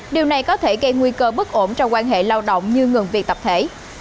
điều này có thể gây nguy cơ bất ổn trong quan hệ lao động như ngừng việc tập thể